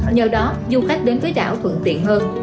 nhờ đó du khách đến với đảo thuận tiện hơn